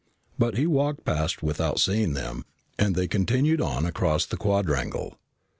But he walked past without seeing them and they continued on across the quadrangle.